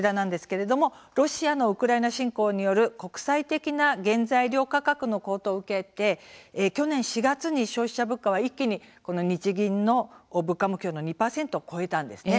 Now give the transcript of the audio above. ロシアのウクライナ侵攻による国際的な原材料価格の高騰を受けて去年４月に消費者物価は一気に日銀の物価目標の２％を超えたんです。